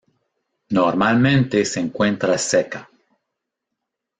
Normalmente se encuentra seca.